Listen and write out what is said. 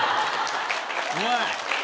おい！